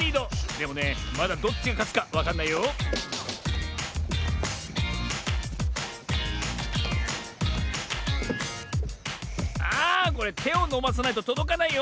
でもねまだどっちがかつかわかんないよああこれてをのばさないととどかないよ。